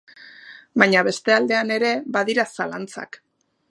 Baina beste aldean ere badira zalantzak.